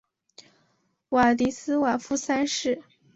瓦迪斯瓦夫三世。